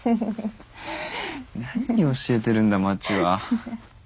何教えてるんだまちは。